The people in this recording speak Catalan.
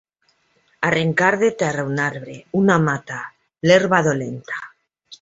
Arrencar de terra un arbre, una mata, l'herba dolenta.